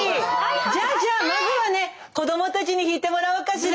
じゃあじゃあまずはね子どもたちに引いてもらおうかしら。